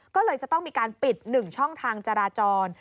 ก็เลยจะต้องมีการปิด๑ช่องทางจราจร